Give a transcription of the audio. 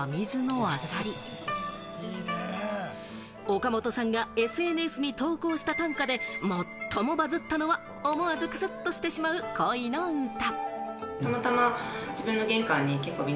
岡本さんがＳＮＳに投稿した短歌で最もバズったのは、思わずクスッとしてしまう恋の歌。